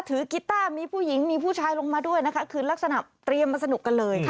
กีต้ามีผู้หญิงมีผู้ชายลงมาด้วยนะคะคือลักษณะเตรียมมาสนุกกันเลย